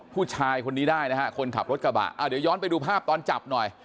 ผู้ชายคนนี้ได้นะฮะคนขับรถกระบะอ่าเดี๋ยวย้อนไปดูภาพตอนจับหน่อย